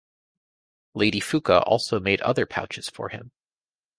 Lady Fuca also made other pouches for him.